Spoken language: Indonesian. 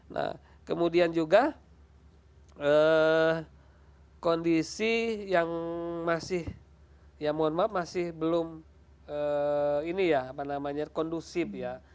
nah kemudian juga kondisi yang masih belum kondusif ya